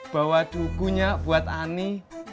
bawa dukunya buat ani